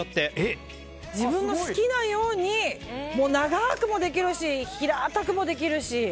自分の好きなように長くもできるし平たくもできるし。